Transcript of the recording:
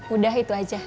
udah itu aja